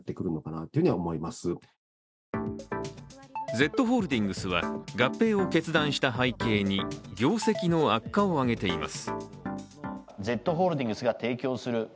Ｚホールディングス側は合併を決断した背景に業績の悪化を挙げています。